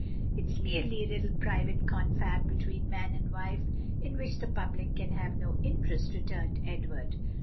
"It's merely a little private confab between man and wife, in which the public can have no interest," returned Edward.